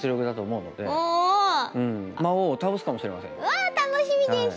うわ楽しみです！